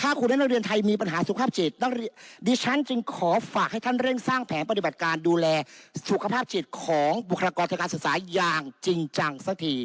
ถ้าคุณและนักเรียนไทยมีปัญหาสุขภาพจิตดิฉันจึงขอฝากให้ท่านเร่งสร้างแผนปฏิบัติการดูแลสุขภาพจิตของบุคลากรทางการศึกษาอย่างจริงจังสักที